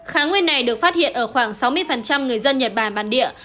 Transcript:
kháng nguyên này được phát hiện ở khoảng sáu mươi người dân nhật bản bản địa